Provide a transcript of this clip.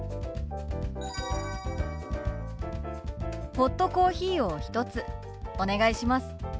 ホットコーヒーを１つお願いします。